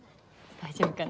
大丈夫かな？